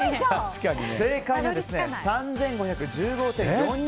正解は３５１５．４２